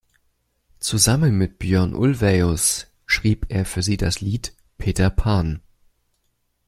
Zusammen mit Björn Ulvaeus schrieb er für sie das Lied "Peter Pan".